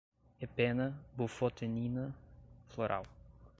epena, bufotenina, floral